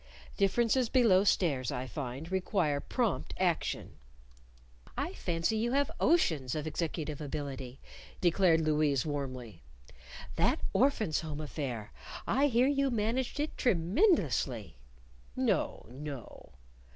"Differences below stairs, I find, require prompt action." "I fancy you have oceans of executive ability," declared Louise, warmly. "That Orphans' Home affair I hear you managed it tre_men_dously!" "No! No!"